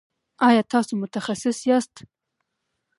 ایا تاسو متخصص یاست؟